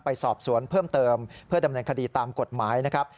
ไปสอบสวนเพิ่มเติมเพื่อดำเนินคดีตามกฎหมายนะครับ